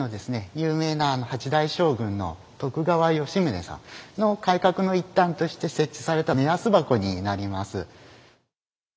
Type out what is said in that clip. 有名なあの８代将軍の徳川吉宗さんの改革の一端として設置された「目安箱」になります。